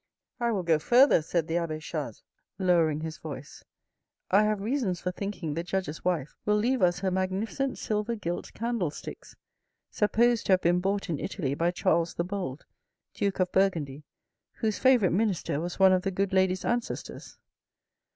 I will go further," said the abbe Chas, lowering his voice, " I have reasons for thinking the judge's wife will leave us her magnificent silver gilt candlesticks, supposed to have been bought in Italy by Charles the Bold, Duke of Burgundy, whose favourite minister was one of the good lady's ancestors."